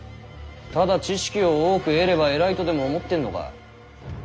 ただ知識を多く得れば偉いとでも思ってんのか？